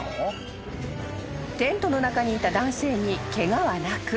［テントの中にいた男性にケガはなく］